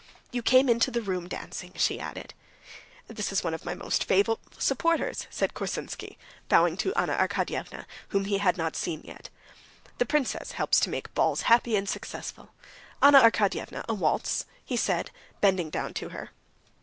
"You came into the room dancing," she added. "This is one of my most faithful supporters," said Korsunsky, bowing to Anna Arkadyevna, whom he had not yet seen. "The princess helps to make balls happy and successful. Anna Arkadyevna, a waltz?" he said, bending down to her.